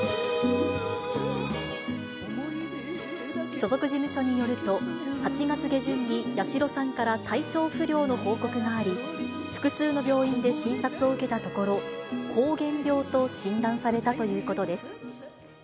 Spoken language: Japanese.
所属事務所によると、８月下旬に八代さんから体調不良の報告があり、複数の病院で診察を受けたところ、膠原病と診断されたということです。